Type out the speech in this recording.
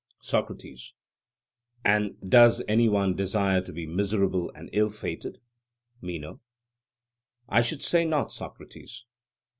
SOCRATES: And does any one desire to be miserable and ill fated? MENO: I should say not, Socrates.